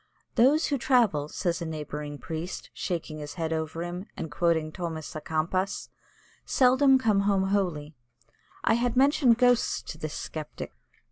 "They who travel," says a neighbouring priest, shaking his head over him, and quoting Thomas Á'Kempis, "seldom come home holy." I had mentioned ghosts to this Sceptic.